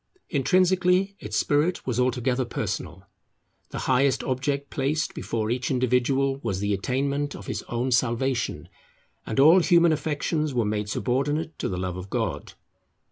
Intrinsically, its spirit was altogether personal; the highest object placed before each individual was the attainment of his own salvation, and all human affections were made subordinate to the love of God.